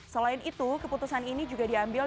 selain itu keputusan ini juga diambil